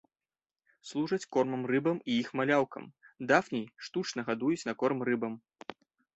Служаць кормам рыбам і іх маляўкам, дафній штучна гадуюць на корм рыбам.